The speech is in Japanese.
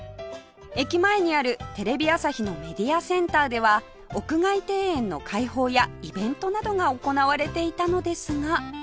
駅前にあるテレビ朝日のメディアセンターでは屋外庭園の開放やイベントなどが行われていたのですが